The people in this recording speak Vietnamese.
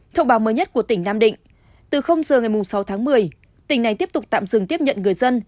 thông báo mới nhất của tỉnh nam định từ giờ ngày sáu tháng một mươi tỉnh này tiếp tục tạm dừng tiếp nhận người dân